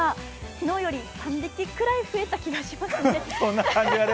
昨日より３匹くらい増えた気がしますね。